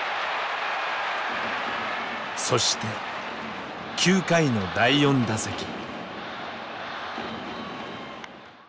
そして９回の第４打席。